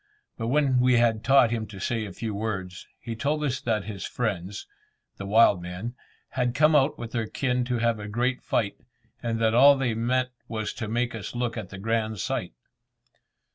But when we had taught him to say a few words, he told us that his friends the wild men had come out with their kin to have a great fight, and that all they meant was to make us look at the grand sight.